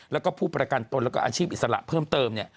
และก็ผู้ประกันตนและกอารชีพอิสระเพิ่มเติม